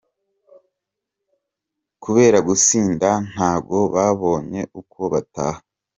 Kubera gusinda, ntago babonye uko bataha.